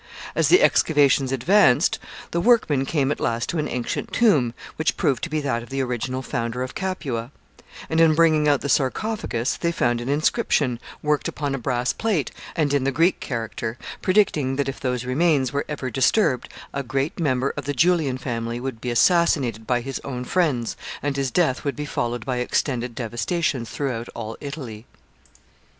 As the excavations advanced, the workmen came at last to an ancient tomb, which proved to be that of the original founder of Capua; and, in bringing out the sarcophagus, they found an inscription, worked upon a brass plate, and in the Greek character, predicting that if those remains were ever disturbed, a great member of the Julian family would be assassinated by his own friends, and his death would be followed by extended devastations throughout all Italy.